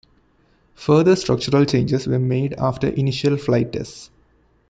Further structural changes were made after initial flight tests.